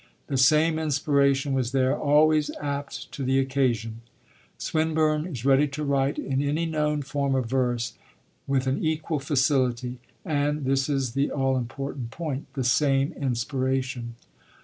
The same inspiration was there, always apt to the occasion. Swinburne is ready to write in any known form of verse, with an equal facility and (this is the all important point) the same inspiration.